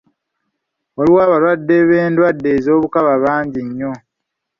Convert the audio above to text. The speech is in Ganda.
Waliyo abalwadde b'endwadde z'obukaba bangi nnyo.